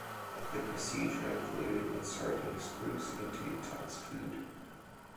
The procedure included inserting screws into Tuck's foot.